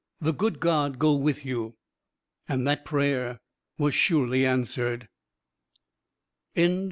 _ the good God go with you! And that prayer was surely answered.